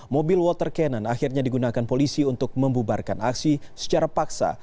mobil water cannon akhirnya digunakan polisi untuk membubarkan aksi secara paksa